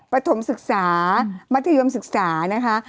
ปฐมศึกษามัธยมศึกษานะคะ